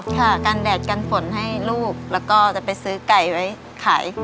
ค่ะกันแดดกันฝนให้ลูกแล้วก็จะไปซื้อไก่ไว้ขาย